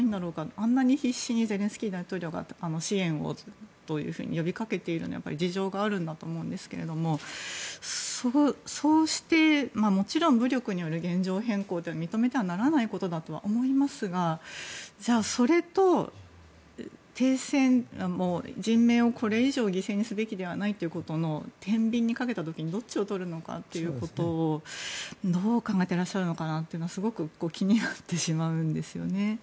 あんなに必死にゼレンスキー大統領だって支援をというふうに呼びかけているのは事情があるんだと思うんですけどもちろん、武力による現状変更というのは認めてはならないことだと思いますがそれと停戦、人命をこれ以上犠牲にすべきではないということを天秤にかけた時にどっちに取るのかということをどう考えていらっしゃるのかすごく気になってしまうんです。